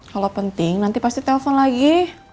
kalau penting nanti pasti telpon lagi